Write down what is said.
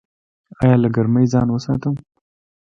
ایا له ګرمۍ ځان وساتم؟